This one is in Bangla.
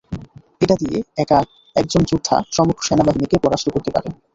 এটা দিয়ে, একা একজন যোদ্ধা সমগ্র সেনাবাহিনীকে পরাস্ত করতে পারে।